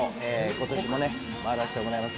今年も回らせてもらいます。